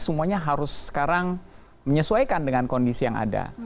semuanya harus sekarang menyesuaikan dengan kondisi yang ada